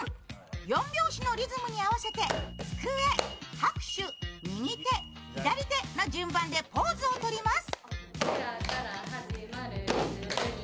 ４拍子のリズムに合わせて机・拍手・右手・左手の順番でポーズをとります。